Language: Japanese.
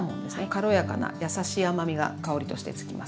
軽やかな優しい甘みが香りとしてつきます。